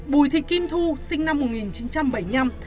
bùi thị kim thu sinh năm một nghìn chín trăm bảy mươi năm